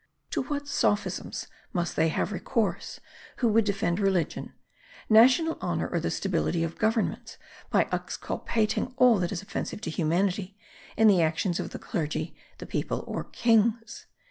To what sophisms must they have recourse, who would defend religion, national honour or the stability of governments, by exculpating all that is offensive to humanity in the actions of the clergy, the people, or kings!